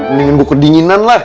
mendingan gue kedinginan lah